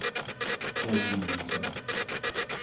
โชคดีมีชัย